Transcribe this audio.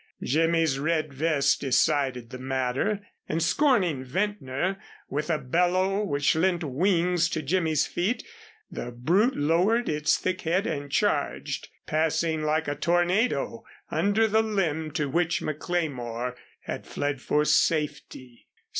Jimmy's red vest decided the matter, and scorning Ventnor, with a bellow which lent wings to Jimmy's feet, the brute lowered its thick head and charged, passing like a tornado under the limb to which McLemore had fled for safety.